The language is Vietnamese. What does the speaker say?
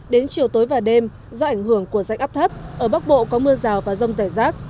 đến chiều tối và đêm do ảnh hưởng của rãnh áp thấp ở bắc bộ có mưa rào và rông rải rác